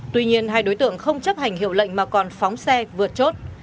tuy nhiên hai đối tượng không chấp hành hiệu lệnh mà còn phóng xe vượt chốt